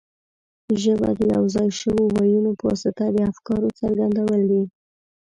ژبه د یو ځای شویو وییونو په واسطه د افکارو څرګندول دي.